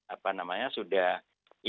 apa namanya sudah implisit